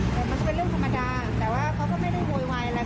แต่มันก็เป็นเรื่องธรรมดาแต่ว่าเขาก็ไม่ได้โวยวายอะไร